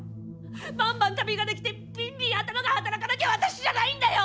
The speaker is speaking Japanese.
バンバン旅ができてビンビン頭が働かなきゃ私じゃないんだよ！